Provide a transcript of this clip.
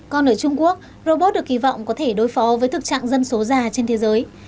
còn ở trung quốc robot được kỳ vọng có thể đối phó với thực trạng dân số già trên thế giới